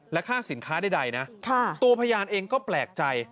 ค่าสินค้าใดนะตัวพยานเองก็แปลกใจ